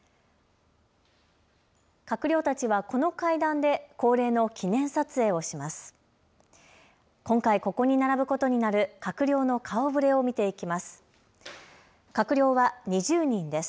閣僚たちはこの階段で恒例の記念撮影をします。